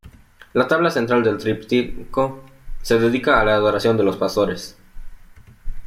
La tabla central del "Tríptico" se dedica a la Adoración de los pastores.